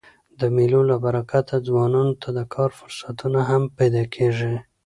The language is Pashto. د مېلو له برکته ځوانانو ته د کار فرصتونه هم پیدا کېږي.